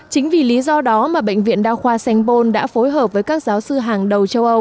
chính vì lý do đó mà bệnh viện đa khoa sanh bôn đã phối hợp với các giáo sư hàng đầu châu âu